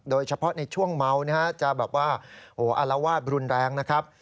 โดยเฉพาะในช่วงเมานะฮะจะแบบว่าอารวาสรุนแรงนะครับ